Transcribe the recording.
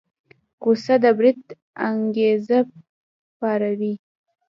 غوسه د بريد انګېزه پاروي.